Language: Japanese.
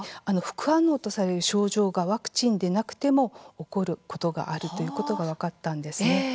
副反応とされる症状がワクチンでなくても起こることがあるということが分かったんですね。